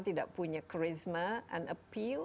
tidak punya karisma and appeal